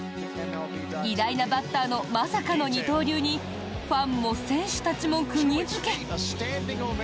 偉大なバッターのまさかの二刀流にファンも選手たちも釘付け。